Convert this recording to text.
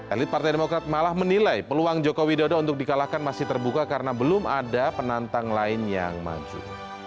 elit partai demokrat malah menilai peluang jokowi dodo untuk dikalahkan masih terbuka karena belum ada penantang lain yang maju